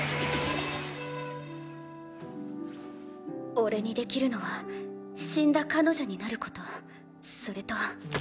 おれにできるのは死んだ彼女になることそれと。